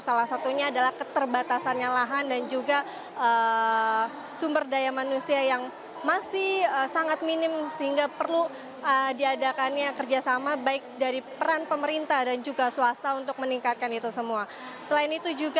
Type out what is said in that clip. salah satunya adalah ketidakpastian